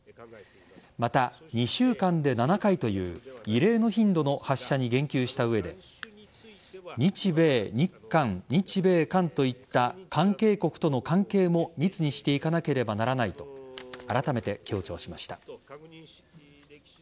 また２週間で７回という異例の頻度の発射に言及した上で日米、日韓、日米韓といった関係国との関係も密にしていかなければならないとあらためて強調しました。